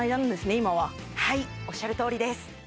今ははいおっしゃるとおりです